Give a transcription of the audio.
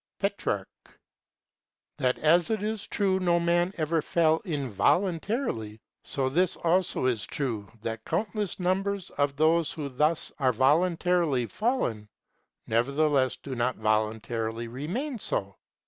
Petrarch. That as it is true no man ever fell involuntarily, so this also is true that countless numbers of those who thus are voluntarily fallen, nevertheless do not voluntarily remain so.